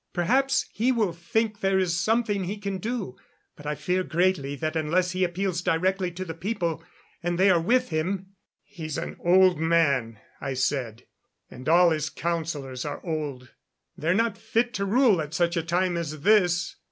"Perhaps he will think there is something he can do. But I fear greatly that unless he appeals directly to the people, and they are with him " "He's an old man," I said, "and all his councilors are old. They're not fit to rule at such a time as this.